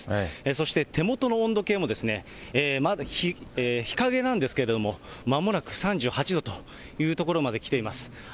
そして手元の温度計も、日陰なんですけれども、まもなく３８度というところまできています。